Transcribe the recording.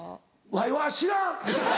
わいは知らん。